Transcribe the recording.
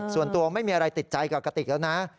ส่วนตัวไม่มีอะไรติดใจกับกะติกแล้วนะ